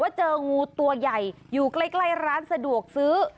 เจองูตัวใหญ่อยู่ใกล้ร้านสะดวกซื้อ